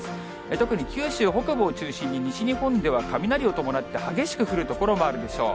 特に九州北部を中心に、西日本では雷を伴って激しく降る所もあるでしょう。